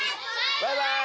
バイバイ！